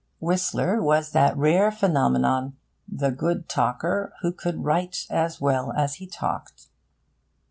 Whistler was that rare phenomenon, the good talker who could write as well as he talked.